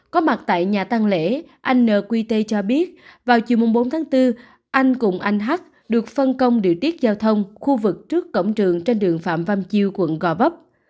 có mặt tại nhà tăng lễ anh nqt cho biết vào chiều bốn tháng bốn anh cùng anh h được phân công điều tiết giao thông khu vực trước cổng trường trên đường phạm văn chiêu quận gò vấp